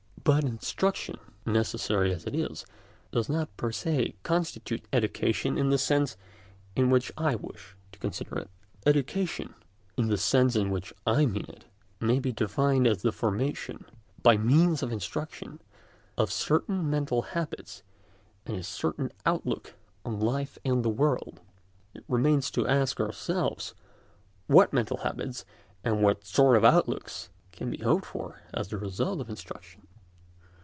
But instruction, necessary as it is, does not per se constitute education in the sense in which I wish to consider it. Education, in the sense in which I mean it, may be defined as the formation, by means of instruction, of certain mental habits and a certain outlook on life and the world. It remains to ask ourselves, what mental habits, and what sort of outlook, can be hoped for as the result of instruction?